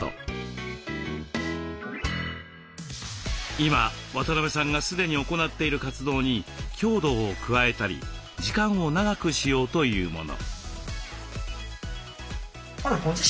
今渡邊さんが既に行っている活動に強度を加えたり時間を長くしようというもの。